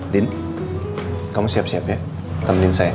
din kamu siap siap ya temenin saya